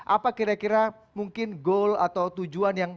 apa kira kira mungkin goal atau tujuan yang